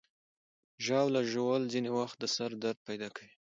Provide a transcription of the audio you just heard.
ژاوله ژوول ځینې وخت د سر درد پیدا کوي.